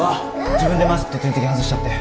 自分でマスクと点滴を外しちゃって。